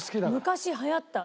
昔流行った。